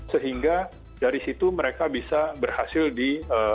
sehingga dari situ mereka bisa berhasil di dua ribu dua puluh